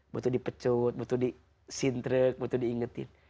butuh di pecut butuh di sintrik butuh diingetin